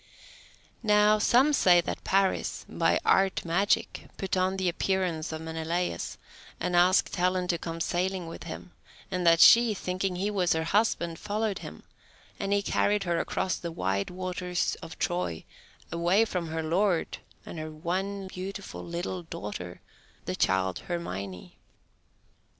Now some say that Paris, by art magic, put on the appearance of Menelaus, and asked Helen to come sailing with him, and that she, thinking he was her husband, followed him, and he carried her across the wide waters of Troy, away from her lord and her one beautiful little daughter, the child Hermione.